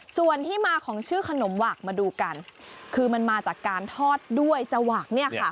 ส่วนที่มาของชื่อขนมหวักมาดูกันคือมันมาจากการทอดด้วยจวักเนี่ยค่ะ